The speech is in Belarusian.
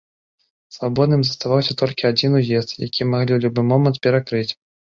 Свабодным заставаўся толькі адзін уезд, які маглі ў любы момант перакрыць.